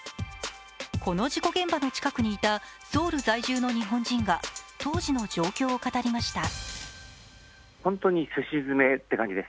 この事故現場の近くにいたソウル在住の日本人が当時の状況を語りました。